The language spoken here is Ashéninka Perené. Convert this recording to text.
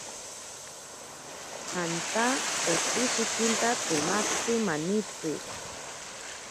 Janta otsishikinta tsimatzi manitsi.